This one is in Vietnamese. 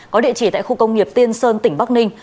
có địa chỉ tại khu công nghiệp tiên sơn tỉnh bắc ninh